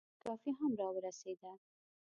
کافي هم را ورسېده.